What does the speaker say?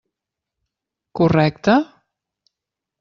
Correcte?